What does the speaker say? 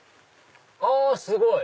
あすごい！